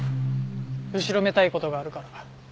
後ろめたい事があるから。